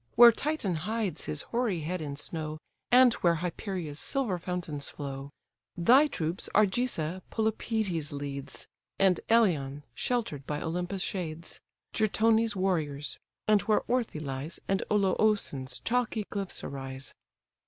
Where Titan hides his hoary head in snow, And where Hyperia's silver fountains flow. Thy troops, Argissa, Polypœtes leads, And Eleon, shelter'd by Olympus' shades, Gyrtonè's warriors; and where Orthè lies, And Oloösson's chalky cliffs arise.